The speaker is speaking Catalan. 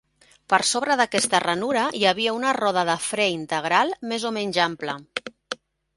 Per sobre d'aquesta ranura hi havia una roda de fre integral més o menys ampla.